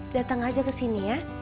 dateng aja kesini ya